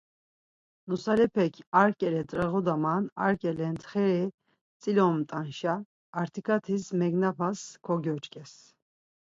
Nusalepek ar ǩele t̆rağoduman, ar ǩele ntxiri tzilomt̆anşa, artiǩat̆is megnapas kogyoç̌ǩes.